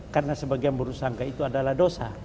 karena sebagian buruk sangka itu adalah dosa